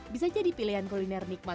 bisa jadi pilihan kuliner nikmat